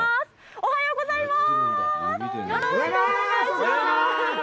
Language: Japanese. おはようございます。